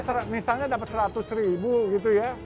misalnya dapat seratus ribu gitu ya